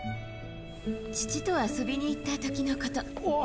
父と遊びに行った時のこと。